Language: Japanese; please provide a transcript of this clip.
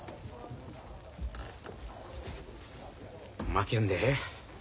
負けんでえ。